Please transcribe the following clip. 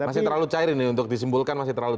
masih terlalu cair ini untuk disimbulkan